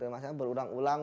mas yudi berulang ulang